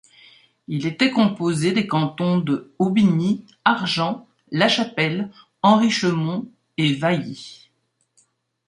Il était composé des cantons de Aubigny, Argent, la Chapelle, Henrichemont et Vailly.